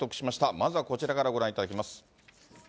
まずはこちらからご覧いただきます。